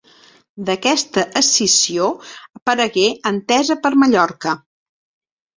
D'aquesta escissió aparegué Entesa per Mallorca.